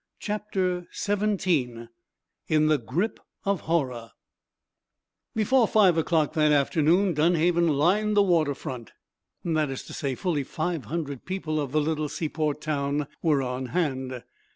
CHAPTER XVII IN THE GRIP OF HORROR Before five o'clock that afternoon Dunhaven lined the water front. That is to say, fully five hundred people of the little seaport town were on hand.